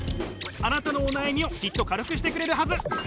あなたのお悩みをきっと軽くしてくれるはず。